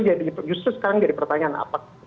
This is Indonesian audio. justru sekarang jadi pertanyaan apakah